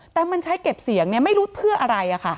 แต่มันใช้เก็บเสียงไม่รู้เพื่ออะไร